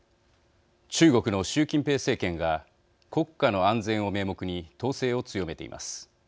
中国の習近平政権が国家の安全を名目に統制を強めています。